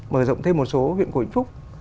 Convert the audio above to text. mở rộng thêm một số huyện của vĩnh phúc